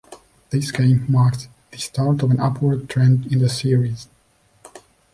This game marks the start of an upward trend in the series.